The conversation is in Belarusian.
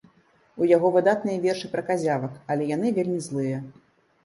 У яго выдатныя вершы пра казявак, але яны вельмі злыя.